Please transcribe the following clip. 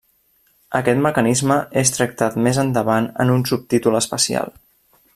Aquest mecanisme és tractat més endavant en un subtítol especial.